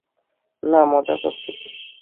না, মজা করছি।